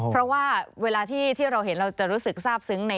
เพราะว่าเวลาที่เราเห็นเราจะรู้สึกทราบซึ้ง